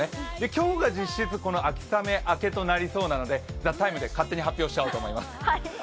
今日が実質秋雨明けとなりそうなので「ＴＨＥＴＩＭＥ，」で勝手に発表しちゃおうと思います。